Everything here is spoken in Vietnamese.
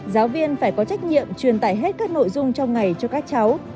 giáo viên phải có trách nhiệm truyền tải hết các nội dung trong ngày cho các cháu